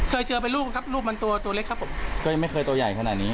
เคยเจอเป็นรูปครับรูปมันตัวตัวเล็กครับผมก็ยังไม่เคยตัวใหญ่ขนาดนี้